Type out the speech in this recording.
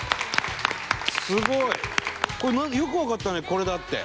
すごい！よくわかったねこれだって。